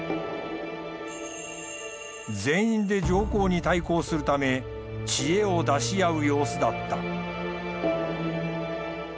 全員で上皇に対抗するため知恵を出し合う様子だった。